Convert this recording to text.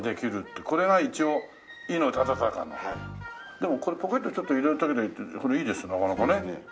でもこれポケットにちょっと入れるだけでいいってこれいいですなかなかね。